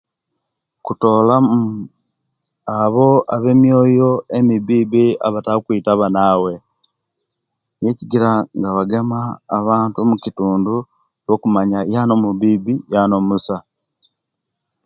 Kutolamu abo abiyemioyo emibibi abataka okwita abanabwe nico ekigira nga bagema abantu mukitundu okumanya Yani omubibi Yani amusa